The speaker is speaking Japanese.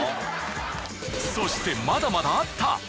そしてまだまだあった！